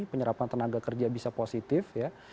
penyerapan tenaga kerja bisa positif ya